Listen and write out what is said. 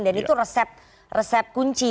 dan itu resep kunci